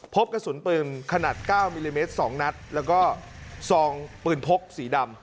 พบกระสุนปืนขนาด๙มิลลิเมตร๒นัดแล้วก็ซองปืนพกสีดำ